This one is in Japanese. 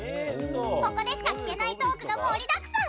ここでしか聞けないトークが盛りだくさん。